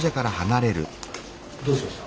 どうしました？